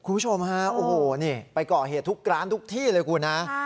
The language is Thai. คุณผู้ชมฮะโอ้โหนี่ไปก่อเหตุทุกร้านทุกที่เลยคุณฮะ